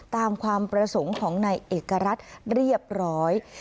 ความประสงค์ของนายเอกรัฐเรียบร้อย